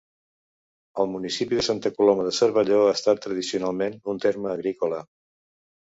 El municipi de Santa Coloma de Cervelló ha estat tradicionalment un terme agrícola.